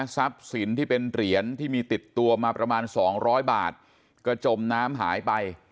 ทรัพย์สินที่เป็นเหรียญที่มีติดตัวมาประมาณ๒๐๐บาทก็จมน้ำหายไป